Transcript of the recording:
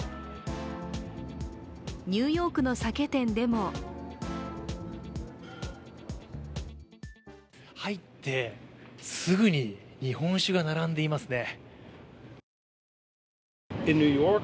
ニューヨークの酒店でも入ってすぐに、日本酒が並んでいますね。